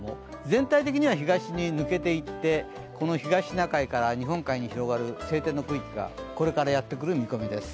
全体的には東に抜けていって東シナ海から日本海に広がる晴天の区域がこれからやってくる見込みです。